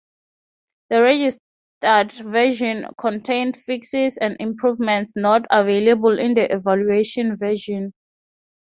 The registered version contained fixes and improvements not available in the evaluation version.